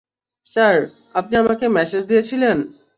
Sir, আপনি আমাকে message দিয়েছিলেন?